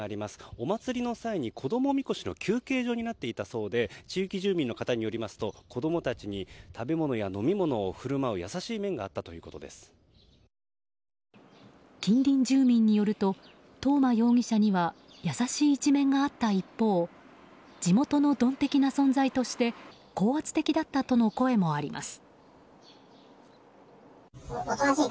お祭りの際に子供みこしの休憩所になっていたそうで地域住民の方によりますと子供たちに食べ物や飲み物を振る舞う近隣住民によると東間容疑者には優しい一面があった一方地元のドン的な存在として高圧的だったとの声もあります。